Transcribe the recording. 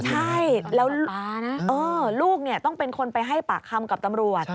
ใช่แล้วลูกต้องเป็นคนไปให้ปากคำกับตำรวจ